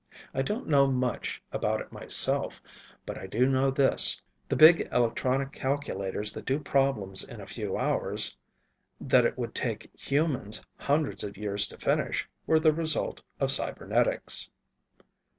I don't know much about it myself, but I do know this: the big electronic calculators that do problems in a few hours that it would take humans hundreds of years to finish were the result of cybernetics."